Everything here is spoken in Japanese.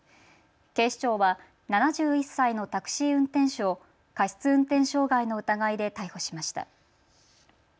警視庁は７１歳のタクシー運転手を過失運転傷害の疑いで逮捕しました。